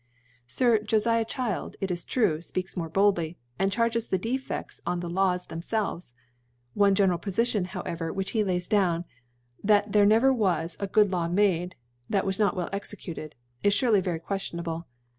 Swjofiab Cbild^ it is true, fpeaks more boldly, and charges the Defcfts on the Laws themfelves : One general Pofitbn^ however, which he lays down, jTA^Tf /fer^ w ver Wdts a good Law tnade^ that was not well executed^ is fureiy very queftionablc.